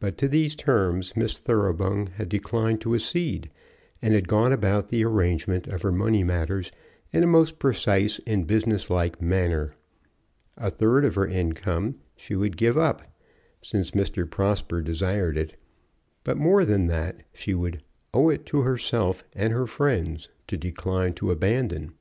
But to these terms Miss Thoroughbung had declined to accede, and had gone about the arrangement of her money matters in a most precise and business like manner. A third of her income she would give up, since Mr. Prosper desired it; but more than that she "would owe it to herself and her friends to decline to abandon."